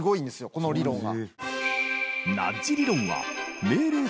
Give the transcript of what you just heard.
この理論が。